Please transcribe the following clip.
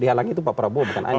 karena pak prabowo bukan anies